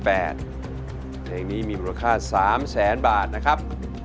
เพลงนี้มีมูลค่า๓แสนบาทนะครับ